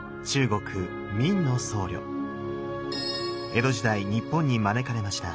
江戸時代日本に招かれました。